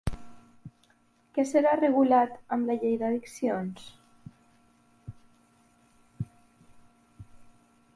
Què serà regulat amb la llei d'addiccions?